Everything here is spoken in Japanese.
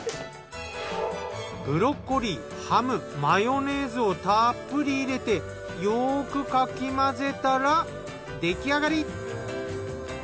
ブロッコリーハムマヨネーズをたっぷり入れてよくかき混ぜたら出来上がり。